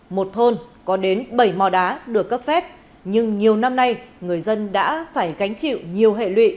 một thôn có đến bảy mò đá được cấp phép nhưng nhiều năm nay người dân đã phải gánh chịu nhiều hệ lụy